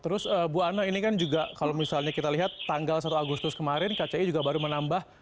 terus bu ana ini kan juga kalau misalnya kita lihat tanggal satu agustus kemarin kci juga baru menambah